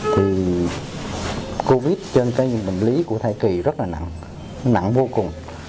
thì covid trên cái bệnh lý của thai kỳ rất là nặng nó nặng vô cùng